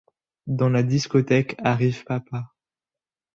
Dans la discothèque arrive Papa.